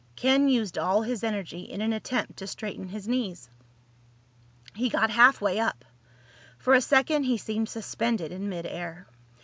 Ken used all his energy in an attempt to straighten his knees. He got halfway up. For a second he seemed suspended in mid air.